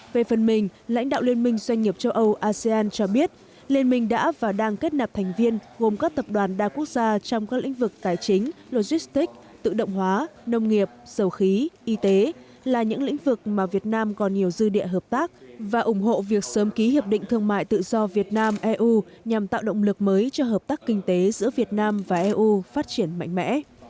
về phần mình lãnh đạo liên minh doanh nghiệp châu âu asean cho biết liên minh đã và đang kết nạp thành viên gồm các tập đoàn đa quốc gia trong các lĩnh vực tài chính logistic tự động hóa nông nghiệp sầu khí y tế là những lĩnh vực mà việt nam còn nhiều dư địa hợp tác và ủng hộ việc sớm ký hiệp định thương mại tự do việt nam eu nhằm tạo động lực mới cho hợp tác kinh tế giữa việt nam và eu phát triển mạnh mẽ